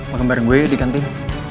makan bareng gue ya di kantin